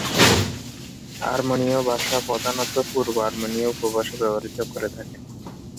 আর্মেনীয় ভাষা প্রধানত পূর্ব আর্মেনীয় উপভাষা ব্যবহৃত করে থাকে।